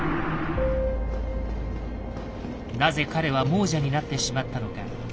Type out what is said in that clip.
なぜ彼は亡者になってしまったのか。